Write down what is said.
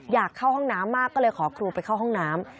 อยากเข้าห้องน้ำมากก็เลยขอครูไปเข้าห้องน้ำ